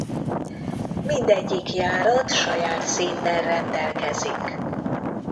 Mindegyik járat saját színnel rendelkezik.